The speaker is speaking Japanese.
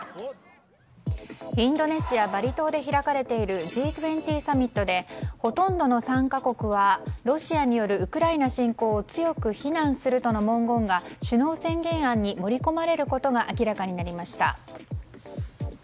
インドネシア・バリ島で開かれているＧ２０サミットでほとんどの参加国はロシアによるウクライナ侵攻を強く非難するとの文言が首脳宣言案に盛り込まれることが明らかになりました。